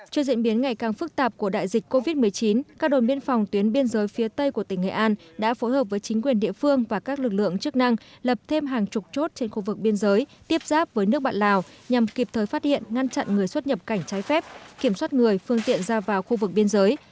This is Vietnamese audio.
trước diễn biến ngày càng phức tạp của đại dịch covid một mươi chín các đồn biên phòng tuyến biên giới phía tây của tỉnh nghệ an đã phối hợp với chính quyền địa phương và các lực lượng chức năng lập thêm hàng chục chốt trên khu vực biên giới tiếp giáp với nước bạn lào nhằm kịp thời phát hiện ngăn chặn người xuất nhập cảnh trái phép kiểm soát người phương tiện ra vào khu vực biên giới